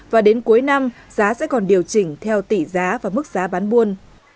và đến cuối năm giá sẽ còn điều chỉnh theo tỷ giá và mức giá bán buôn